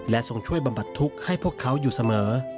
ทรงช่วยบำบัดทุกข์ให้พวกเขาอยู่เสมอ